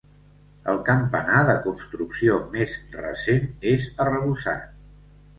El campanar, de construcció més recent és arrebossat.